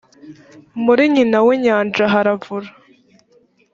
muri nyina w’ inyanja haravura